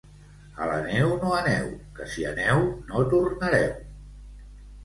A la neu no aneu, que si aneu, no tornareu.